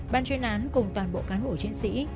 ban chuyên án cùng toàn bộ cán bộ chiến sĩ